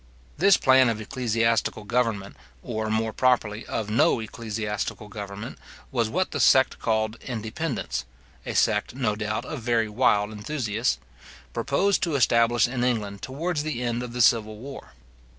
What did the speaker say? This plan of ecclesiastical government, or, more properly, of no ecclesiastical government, was what the sect called Independents (a sect, no doubt, of very wild enthusiasts), proposed to establish in England towards the end of the civil war.